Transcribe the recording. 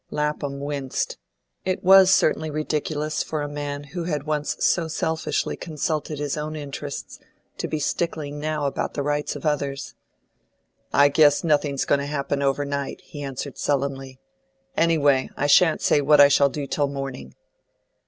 Lapham winced. It was certainly ridiculous for man who had once so selfishly consulted his own interests to be stickling now about the rights of others. "I guess nothing's going to happen overnight," he answered sullenly. "Anyway, I shan't say what I shall do till morning."